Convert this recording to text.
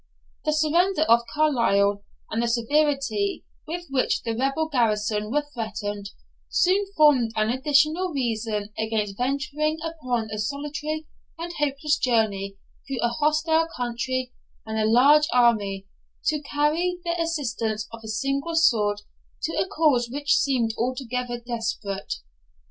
The surrender of Carlisle, and the severity with which the rebel garrison were threatened, soon formed an additional reason against venturing upon a solitary and hopeless journey through a hostile country and a large army, to carry the assistance of a single sword to a cause which seemed altogether desperate.